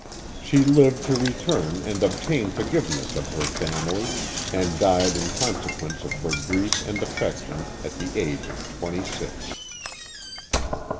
She lived to return and obtain forgiveness of her family, and died in consequence of her grief and affection, at the age of twenty six.